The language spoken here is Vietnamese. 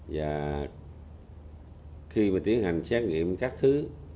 và khi mà tiến hành xét nghiệm các thứ